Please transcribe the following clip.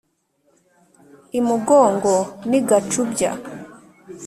i mugongo n’i gacubya,